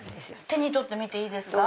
手に取ってみていいですか？